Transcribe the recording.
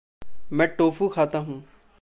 मैं टोफ़ू खाता हूँ।